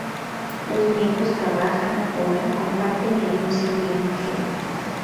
Los miembros trabajan, oran, comparten y anuncian el Evangelio.